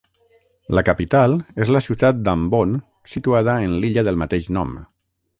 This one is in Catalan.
La capital és la ciutat d'Ambon situada en l'illa del mateix nom.